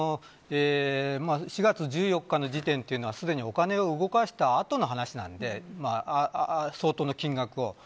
４月１４日の時点というのはすでにお金を動かした後の話なので相当の金額を。